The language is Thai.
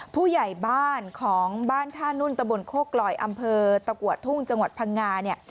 ผู้ใหญ่บ้านของบ้านท่านุ่นตะบนโคกลอยอำเภอตะกัวทุ่งจังหวัดพังงาเนี่ย